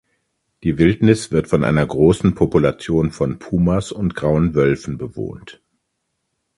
Die Wildnis wird von einer großen Population von Pumas und grauen Wölfen bewohnt.